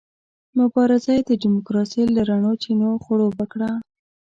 مبارزه یې د ډیموکراسۍ له رڼو چینو خړوبه کړه.